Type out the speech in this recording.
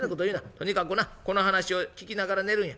とにかくなこの話を聞きながら寝るんや。